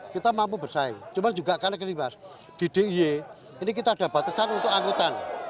kita mampu bersaing cuma juga karena di diy ini kita ada batasan untuk anggutan